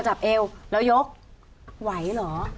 จับเอวแล้วยกไหวหรอ